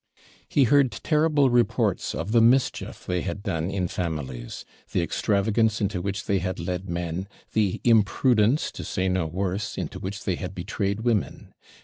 He heard terrible reports of the mischief they had done in families; the extravagance into which they had led men; the imprudence, to say no worse, into which they had betrayed women.